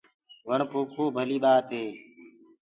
وڻ پوکوو ڀلي ٻآت هي۔